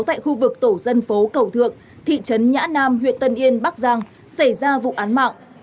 tại khu vực tổ dân phố cầu thượng thị trấn nhã nam huyện tân yên bắc giang xảy ra vụ án mạng